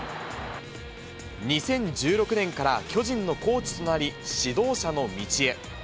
２０１６年から巨人のコーチとなり、指導者の道へ。